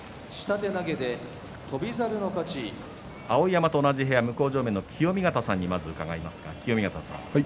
碧山と同じ部屋、向正面の清見潟さんにまず伺います。